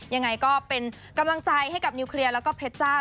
ยังไงก็เป็นกำลังใจให้กับนิวเคลียร์แล้วก็เพชรจ้า